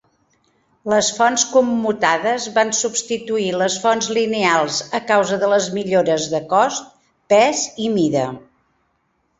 Les fonts commutades van substituir les fonts lineals a causa de les millores de cost, pes i mida.